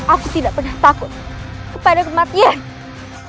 aku tidak pernah takut kepada kematian